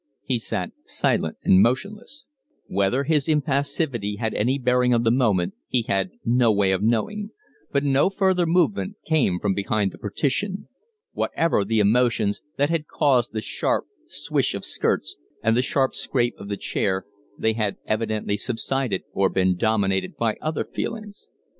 He sat silent and motionless. Whether his impassivity had any bearing on the moment he had no way of knowing; but no further movement came from behind the partition. Whatever the emotions that had caused the sharp swish of skirts and the sharp scrape of the chair, they had evidently subsided or been dominated by other feelings.